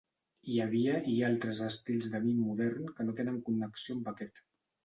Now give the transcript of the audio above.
Hi havia i hi ha altres estils de mim modern que no tenen connexió amb aquest.